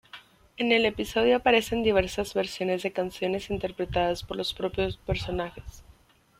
En el episodio aparecen diversas versiones de canciones interpretadas por los propios personajes.